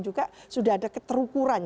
juga sudah ada keterukuran